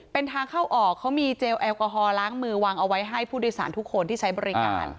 เป็นทางเข้าออกเขามีเจลแอลกอฮอลล้างมือวางเอาไว้ให้ผู้โดยสารทุกคนที่ใช้บริการ